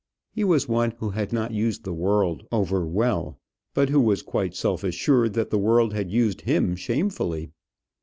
He was one who had not used the world over well; but who was quite self assured that the world had used him shamefully.